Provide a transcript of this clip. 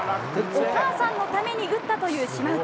お母さんのために打ったという島内。